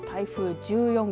台風１４号